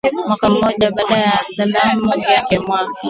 Mwaka mmoja baadaye na albamu yake ya mwaka